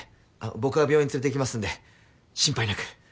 僕が病院連れてきますんで心配なく。